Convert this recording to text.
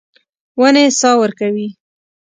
ونې سا ورکوي.